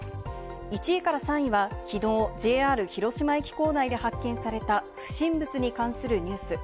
１位から３位は昨日ＪＲ広島駅構内で発見された不審物に関するニュース。